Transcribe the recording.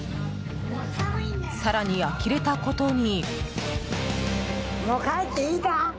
更に、あきれたことに。